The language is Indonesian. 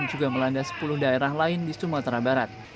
juga melanda sepuluh daerah lain di sumatera barat